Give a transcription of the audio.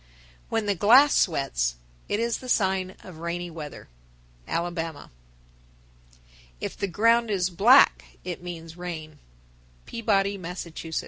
When the glass sweats, it is the sign of rainy weather. Alabama. 1017. If the ground is black, it means rain. Peabody, Mass. 1018.